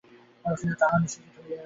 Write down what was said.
অবশেষে তাহাও নিঃশেষিত হইয়া গেল।